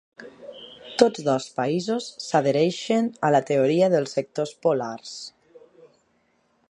Tots dos països s'adhereixen a la Teoria dels Sectors Polars.